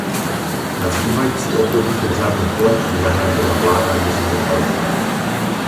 Na zbývající období do řádných voleb ji nahradila vláda Jiřího Paroubka.